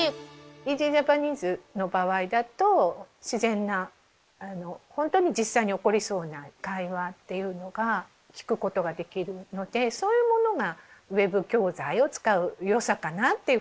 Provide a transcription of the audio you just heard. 「ＥａｓｙＪａｐａｎｅｓｅ」の場合だと自然なほんとに実際に起こりそうな会話っていうのが聞くことができるのでそういうものがウェブ教材を使う良さかなっていうふうに思います。